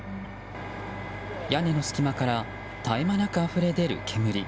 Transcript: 屋根の隙間から絶え間なくあふれ出る煙。